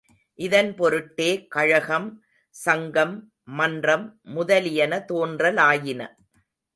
இதன்பொருட்டே கழகம், சங்கம், மன்றம் முதலியன தோன்றலாயின.